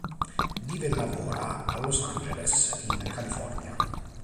Vive e lavora a Los Angeles, in California.